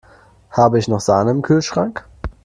Habe ich noch Sahne im Kühlschrank?